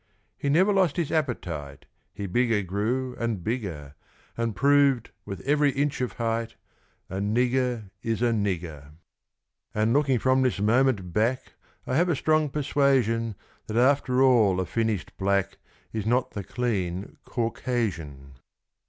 He never lost his appetite He bigger grew, and bigger; And proved, with every inch of height, A nigger is a nigger. And, looking from this moment back, I have a strong persuasion That, after all, a finished black Is not the "clean" Caucasian.